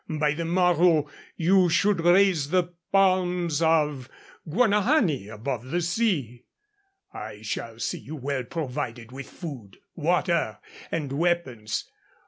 By the morrow you should raise the palms of Guanahani above the sea. I shall see you well provided with food, water, and weapons.